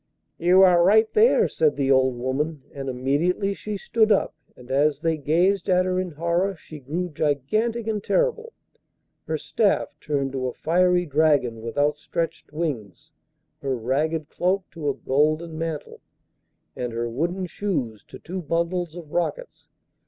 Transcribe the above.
'You are right there,' said the old woman, and immediately she stood up, and as they gazed at her in horror she grew gigantic and terrible, her staff turned to a fiery dragon with outstretched wings, her ragged cloak to a golden mantle, and her wooden shoes to two bundles of rockets.